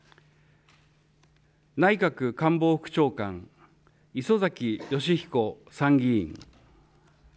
内閣官房副長官、磯崎仁彦参議院。